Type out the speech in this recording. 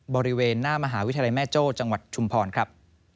บริเวณหน้ามหาวิทยาลัยแม่โจ้จังหวัดชุมพรครับ